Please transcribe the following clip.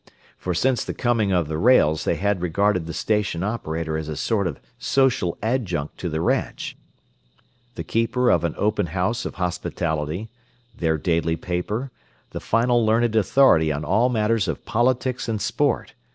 For since the coming of the rails they had regarded the station operator as a sort of social adjunct to the ranch the keeper of an open house of hospitality, their daily paper, the final learned authority on all matters of politics and sport.